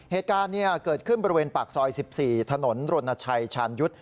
เหตุการณ์เกิดขึ้นบริเวณปากซอย๑๔ถนนรณชัยชาญยุทธ์